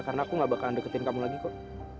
karena aku gak bakalan deketin kamu lagi kok